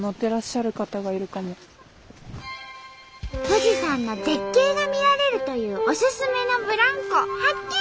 富士山の絶景が見られるというオススメのブランコ発見！